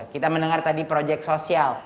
kita mendengar tadi proyek sosial